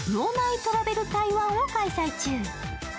トラベル台湾を開催中。